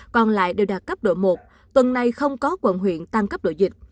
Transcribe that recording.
còn lại đều đạt cấp độ một tuần nay không có quận huyện tăng cấp độ dịch